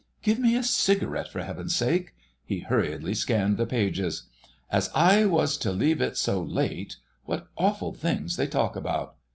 "Give me a cigarette, for Heaven's sake." He hurriedly scanned the pages. "Ass I was to leave it so late.... What awful things they talk about....